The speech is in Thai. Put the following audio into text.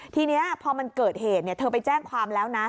ทีนี้พอมันเกิดเหตุเธอไปแจ้งความแล้วนะ